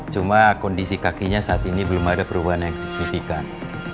cuma kondisi kakinya saat ini belum ada perubahan yang signifikan